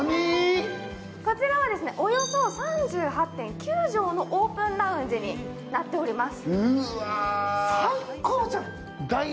こちらはおよそ３８．９畳のオープンラウンジになっています。